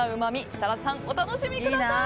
設楽さん、お楽しみください。